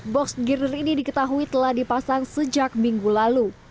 box girder ini diketahui telah dipasang sejak minggu lalu